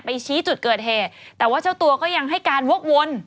ชี้จุดเกิดเหตุแต่ว่าเจ้าตัวก็ยังให้การวกวน